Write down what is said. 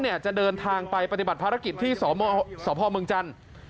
จะเดินทางไปปฏิบัติภารกิจที่สพเมืองจันทร์